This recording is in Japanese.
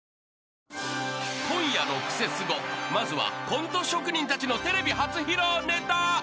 ［今夜の『クセスゴ』まずはコント職人たちのテレビ初披露ネタ。